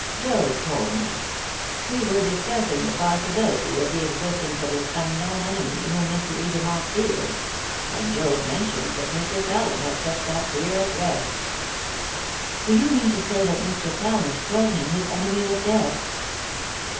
"Joad told me. We were discussing the possibility of the existence of this unknown enemy whom Mr. Edermont feared; and Joad mentioned that Mr. Pallant had set that fear at rest." "Do you mean to say that Mr. Pallant told him his enemy was dead?"